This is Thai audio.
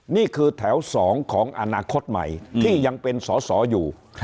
นี่คือแถว๒ของอนาคตใหม่ที่ยังเป็นสอสออยู่